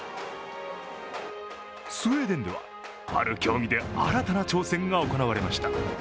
スウェーデンでは、ある競技で新たな挑戦が行われました。